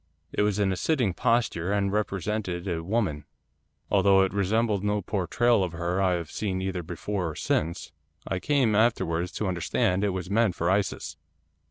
It was in a sitting posture, and represented a woman. Although it resembled no portrayal of her I have seen either before or since, I came afterwards to understand that it was meant for Isis.